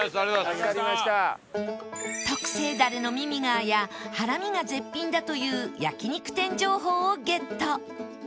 特製ダレのミミガーやハラミが絶品だという焼肉店情報をゲット